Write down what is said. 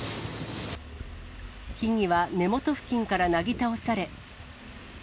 木々は根元付近からなぎ倒され。